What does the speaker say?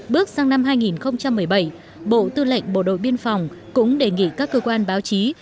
bước sang năm hai nghìn một mươi bảy bộ tư lệnh bộ đội biên phòng cũng đề nghị các cơ quan báo chí